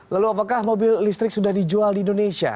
lalu apakah mobil listrik sudah dijual di indonesia